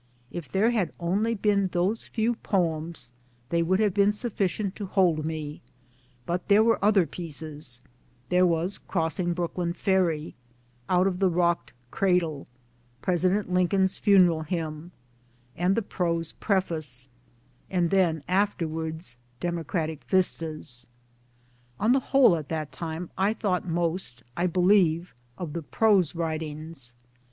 If there had only been those few poems they would have been sufficient to hold me ; but there were other pieces : there was " Crossing Brooklyn Ferry," " Out of the Rocked Cradle," " President Lincoln's Funeral Hymn," and the prose Preface 1 and then afterwards Democratic Vistas. On the whole at that time I thought most, I believe, of the prose writings.